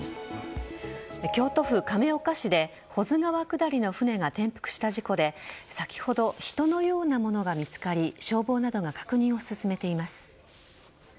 京都府亀岡市で保津川下りの舟が転覆した事故で先ほど人のようなものが見つかり消防などが確認を進めています。